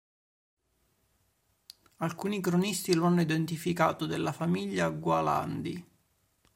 Alcuni cronisti lo hanno identificato della famiglia Gualandi